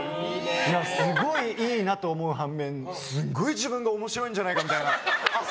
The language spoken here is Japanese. すごいいいなと思う反面すごい自分が面白いんじゃないかみたいな。